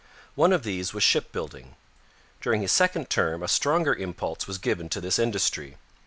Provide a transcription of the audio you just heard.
One of these was shipbuilding. During his second term a stronger impulse was given to this industry.